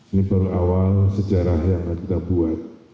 ini baru awal sejarah yang kita buat